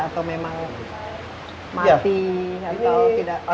atau memang mati atau tidak